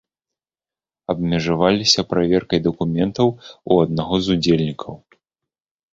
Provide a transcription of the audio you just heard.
Абмежаваліся праверкай дакументаў у аднаго з удзельнікаў.